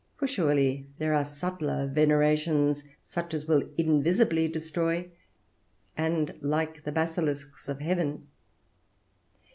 For surely there are subtler venerations, such as will invisibly destroy, and like the basilisks of heaven.